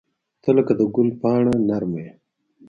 • ته لکه د ګل پاڼه نرمه یې.